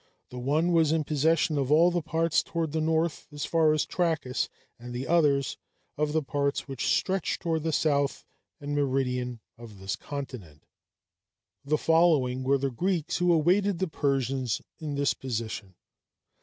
The one was in possession of all the parts toward the north as far as Trachis, and the others, of the parts which stretch toward the south and meridian of this continent. The following were the Greeks who awaited the Persians in this position.